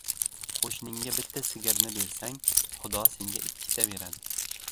• Qo‘shninga bitta sigirni bersang, xudo senga ikkita beradi.